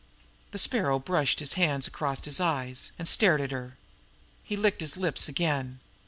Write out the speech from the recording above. The Sparrow brushed his hands across his eyes, and stared at her. He licked his lips again.